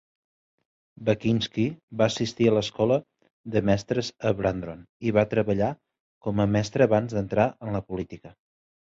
Bachynsky va assistir a l'escola de mestres a Brandon i va treballar com a mestre abans d'entrar en política.